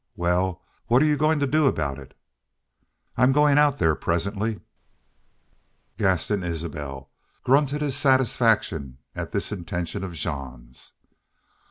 Wal, what 're you goin' to do aboot it?" "I'm goin' out there presently." Gaston Isbel grunted his satisfaction at this intention of Jean's.